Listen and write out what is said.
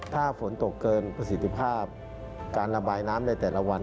ถ้าฝนตกเกินประสิทธิภาพการระบายน้ำในแต่ละวัน